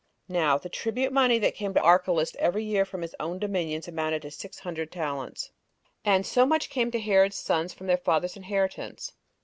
Now the tribute money that came to Archelaus every year from his own dominions amounted to six hundred talents. 5. And so much came to Herod's sons from their father's inheritance.